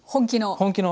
本気の。